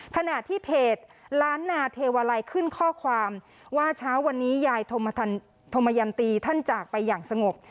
ขณะที่เพจล้านนาเทวาลัยขึ้นข้อความว่าเช้าวันนี้ยายธมยันตีท่านจากไปอย่างสงบ